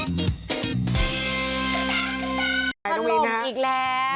มันลงอีกแล้ว